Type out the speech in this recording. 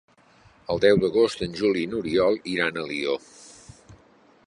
El deu d'agost en Juli i n'Oriol iran a Alió.